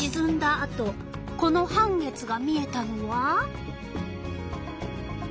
あとこの半月が見えたのは。